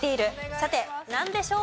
さてなんでしょう？